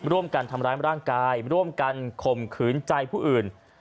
ร่วมกันทำร้ายร่างกายร่วมกันข่มขืนใจผู้อื่น